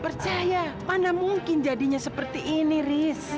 percaya mana mungkin jadinya seperti ini rizky